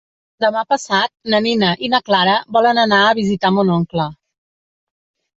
Demà passat na Nina i na Clara volen anar a visitar mon oncle.